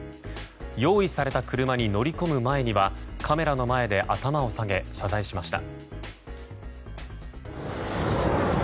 用意された車に乗り込む前にはカメラの前で頭を下げ謝罪しました。